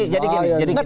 jadi gini jadi gini